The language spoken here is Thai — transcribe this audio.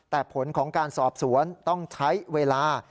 แต่ผลของการสอบสวนต้องใช้เวลา